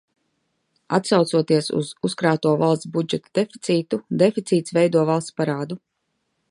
Atsaucoties uz uzkrāto valsts budžeta deficītu, deficīts veido valsts parādu.